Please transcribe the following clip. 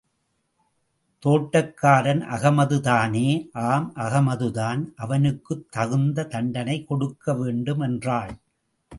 தோட்டக்காரன் அகமதுதானே? ஆம் அகமதுதான் அவனுக்குத் தகுந்த தண்டனை கொடுக்க வேண்டும்! என்றாள்.